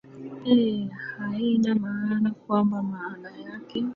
eeh haina maana kwamba maanake